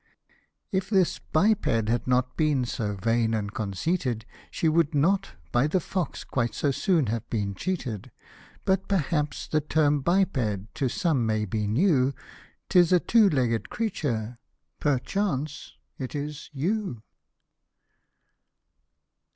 If this biped had not been so vain and conceited, She would not by the fox quite so soon have been cheated ; But perhaps the term biped to some may be new : 'Tis a two legged creature perchance it is you.